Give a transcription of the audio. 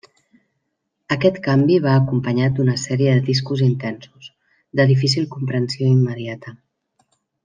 Aquest canvi va acompanyat d'una sèrie de discos intensos, de difícil comprensió immediata.